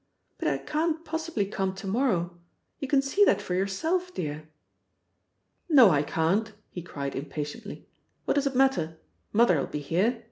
"But I can't possibly come to morrow. You can see that for yourself, dear." "No, I can't!" he cried impatiently. "What does it matter? Mother'll be here.